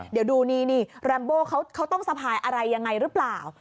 เดี๋ยวดูนี่แรมโบเขาต้องสะพายอะไรยังไงหรือเปล่า